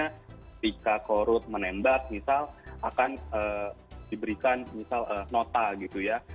ketika korup menembak misal akan diberikan misal nota gitu ya